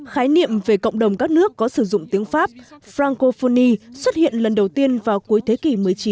khái niệm về cộng đồng các nước có sử dụng tiếng pháp frankophoni xuất hiện lần đầu tiên vào cuối thế kỷ một mươi chín